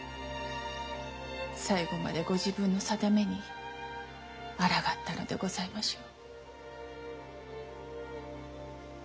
最後までご自分の定めにあらがったのでございましょう。